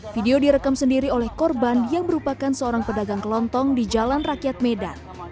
video direkam sendiri oleh korban yang merupakan seorang pedagang kelontong di jalan rakyat medan